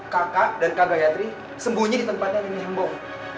kakak dan kak gayatri sembunyi di tempat yang lebih nyembong